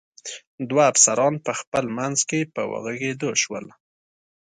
دوه افسران په خپل منځ کې په وږغېدو شول.